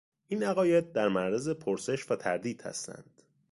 این عقاید در معرض پرسش و تردید هستند.